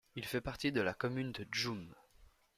Il fait partie de la commune de Djoum.